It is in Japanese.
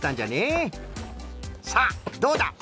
さあどうだ？